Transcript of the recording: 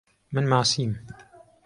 من ماسیم.